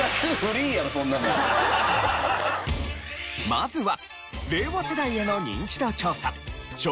まずは。